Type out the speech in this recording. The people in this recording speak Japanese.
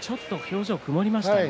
顔が曇りましたね。